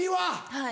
はい。